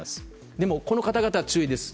でも、この方々は注意です。